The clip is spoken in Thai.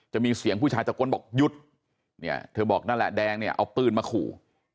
จะมีเสียงผู้ชายตะกรบอกหยุดเธอบอกนั่นแหละแดงเอาปืนมาขู่